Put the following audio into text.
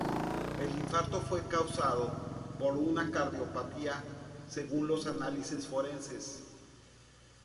El infarto fue causado por una cardiopatía, según los análisis forenses.